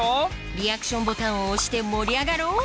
リアクションボタンを押して盛り上がろう！